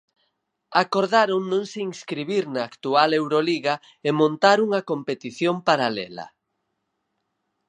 Acordaron non se inscribir na actual Euroliga e montar unha competición paralela.